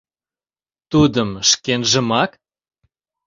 — Тудым шкенжымак?